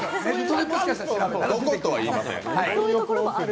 どことは言いません。